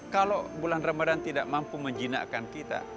kalau bulan ramadhan tidak mampu menjinakkan kita